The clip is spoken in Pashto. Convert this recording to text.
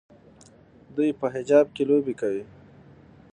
دوی په حجاب کې لوبې کوي.